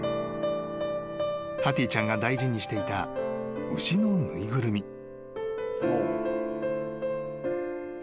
［ハティちゃんが大事にしていた牛の縫いぐるみ］